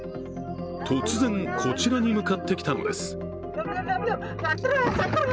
突然、こちらに向かってきたのです